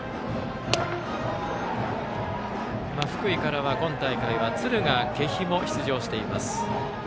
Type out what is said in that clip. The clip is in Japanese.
福井からは今大会、敦賀気比も出場しています。